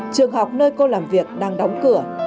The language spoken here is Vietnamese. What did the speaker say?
trường học nơi cô làm việc đang đóng cửa